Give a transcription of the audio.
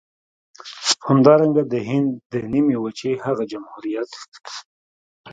همدارنګه د هند د نيمې وچې هغه جمهوريت.